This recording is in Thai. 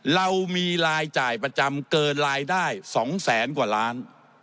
เรามีรายจ่ายประจำเกินรายได้๒แสนกว่าล้าน